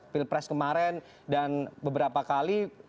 pilpres kemarin dan beberapa kali